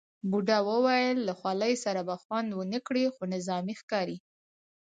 بوډا وویل له خولۍ سره به خوند ونه کړي، خو نظامي ښکاري.